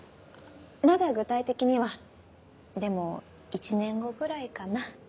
まだ具体的にはでも１年後ぐらいかな。